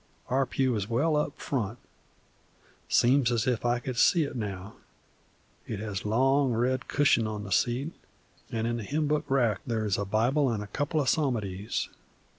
Our pew is well up in front, seems as if I could see it now. It has a long red cushion on the seat, and in the hymn book rack there is a Bible an' a couple of Psalmodies.